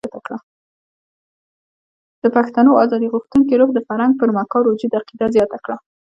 د پښتنو ازادي غوښتونکي روح د فرنګ پر مکار وجود عقیده زیاته کړه.